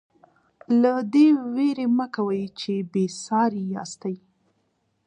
له دې وېرې مه کوئ چې بې ساري یاستئ.